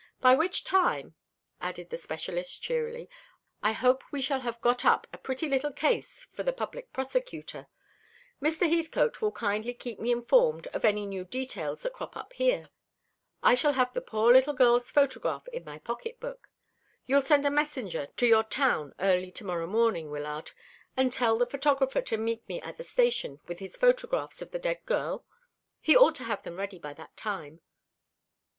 By which time," added the specialist cheerily, "I hope we shall have got up a pretty little case for the Public Prosecutor. Mr. Heathcote will kindly keep me informed of any new details that crop up here. I shall have the poor little girl's photograph in my pocket book. You'll send a messenger to your town early to morrow morning, Wyllard, and tell the photographer to meet me at the station with his photographs of the dead girl? He ought to have them ready by that time."